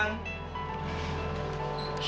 anak anak ben kamu jemput aku tuh